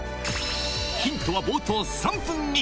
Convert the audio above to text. ヒントは冒頭３分に。